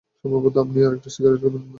সম্ভবত আপনি আরেকটা সিগারেট খাবেন?